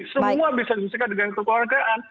semua bisa diselesaikan dengan kekeluargaan